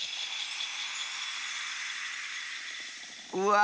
うわ！